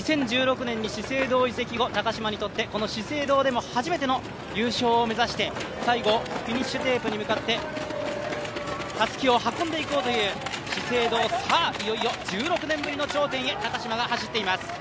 ２０１６年に資生堂に移籍、この資生堂でも初めての優勝を目指して最後、フィニッシュテープに向かってたすきを運んでいこうという、資生堂、いよいよ１６年ぶりの頂点へ高島が走っています。